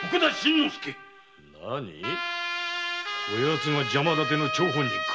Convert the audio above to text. こやつが邪魔だての張本人か！